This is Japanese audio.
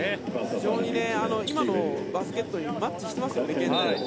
非常に今のバスケットにマッチしていますよね。